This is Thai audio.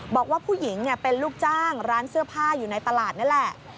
บอกว่าผู้หญิงเป็นลูกจ้างร้านเสื้อผ้าอยู่ในตลาดนี่แหละ